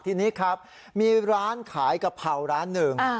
ทีนี้ครับมีร้านขายกะเพราร้านหนึ่ง